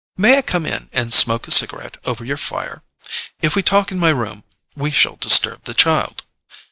"May I come in and smoke a cigarette over your fire? If we talk in my room we shall disturb the child."